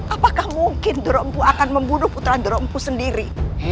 apakah mungkin doroh empu akan membunuh putra doroh empu sendiri